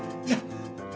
いや。